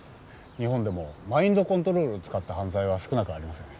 日本でもマインドコントロールを使った犯罪は少なくありません。